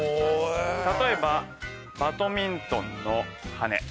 例えばバドミントンの羽根。